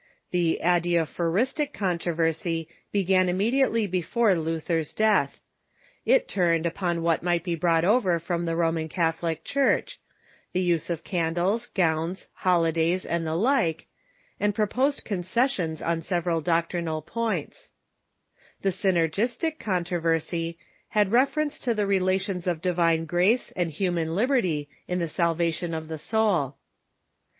The Adiaphoristic Con tro'oersy began immediately before Lutlier's death. It turned upon what might be brought over from the Roman Catholic Church — the use of candles, gowns, holidays, and the like — and proposed concessions on several doctrinal Cotftroversies P*^*'"^'^ ^^^^^ Synergistic Controversy had refer ence to the relations of divine grace and human liberty in the salvation of the soul.